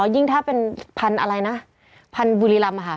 ยิ่งถ้าเป็นพันธุ์อะไรนะพันธุ์บุรีรำ